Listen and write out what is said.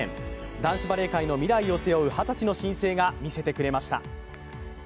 男子バレー界の未来を背負う二十歳の新星が見せてくれました。